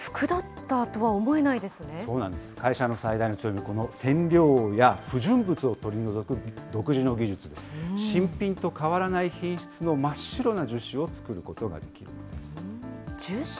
会社の最大の強み、染料や不純物を取り除く独自の技術で、新品と変わらない品質の真っ白な樹脂を作ることができるんです。